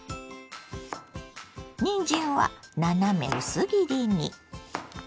にんじんは斜め薄切りに。